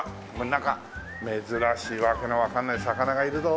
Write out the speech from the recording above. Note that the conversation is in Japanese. なんか珍しいわけのわかんない魚がいるぞ。